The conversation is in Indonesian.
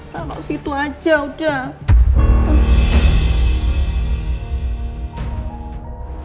taro situ aja udah